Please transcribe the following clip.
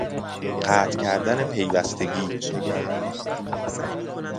قطع کردن پیوستگی